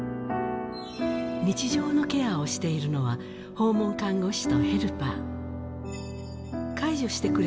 日常のケアをしているのは、訪問看護師とヘルパー。